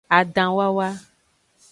Adanwawa.